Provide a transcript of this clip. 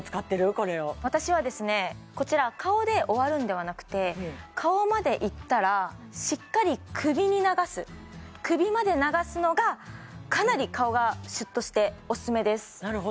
これを私はですねこちら顔で終わるんではなくて顔までいったらしっかり首に流す首まで流すのがかなり顔がシュッとしてオススメです